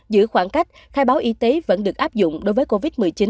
giữ khoảng cách khai báo y tế vẫn được áp dụng đối với covid một mươi chín